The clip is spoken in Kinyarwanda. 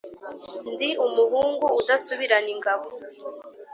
Ndi umuhungu udasubirana ingabo